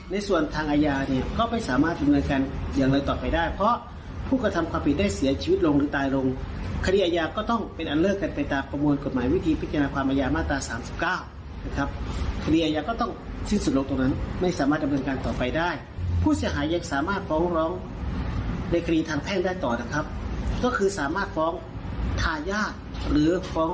ในส่วนทางอาญาเนี่ยก็ไม่สามารถดำเนินการอย่างไรต่อไปได้เพราะผู้กระทำความผิดได้เสียชีวิตลงหรือตายลงคดีอาญาก็ต้องเป็นอันเลิกกันไปตามประมวลกฎหมายวิธีพิจารณาความอายามาตราสามสิบเก้านะครับคดีอายาก็ต้องสิ้นสุดลงตรงนั้นไม่สามารถดำเนินการต่อไปได้ผู้เสียหายยังสามารถฟ้องร้องในคดีทางแพ่งได้ต่อนะครับก็คือสามารถฟ้องทายาทหรือฟ้อง